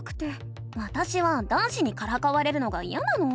わたしは男子にからかわれるのがいやなの。